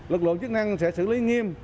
lực lượng chức năng sẽ xử lý nghiêm